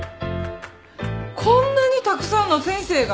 こんなにたくさんの先生が！？